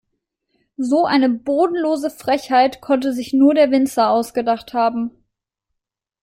So eine bodenlose Frechheit konnte sich nur der Winzer ausgedacht haben.